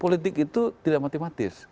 politik itu tidak matematis